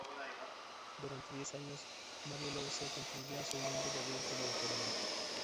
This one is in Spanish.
Durante diez años, Marie-Louise cumpliría su humilde deber como enfermera.